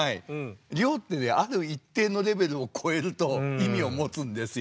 量ってある一定のレベルを超えると意味を持つんですよ。